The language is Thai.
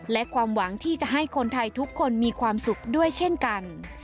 และความหวังที่จะให้คนไทยทุกคนมีความสุขด้วยเช่นกัน